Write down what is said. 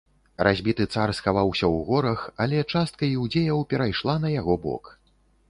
Разбіты цар схаваўся ў горах, але частка іўдзеяў перайшла на яго бок.